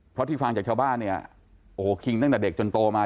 เพราะที่ฟังจากชาวบ้านเนี่ยโอ้โหคิงตั้งแต่เด็กจนโตมา